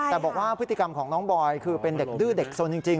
แต่บอกว่าพฤติกรรมของน้องบอยคือเป็นเด็กดื้อเด็กสนจริง